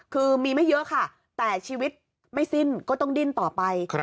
คือมีไม่เยอะค่ะแต่ชีวิตไม่สิ้นก็ต้องดิ้นต่อไป